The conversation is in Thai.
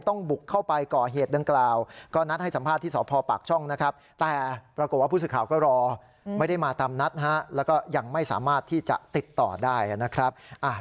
ต้องบุกเข้าไปก่อเหตุดังกล่าวก็นัดให้สัมภาษณ์ที่สภปากช่องนะครับ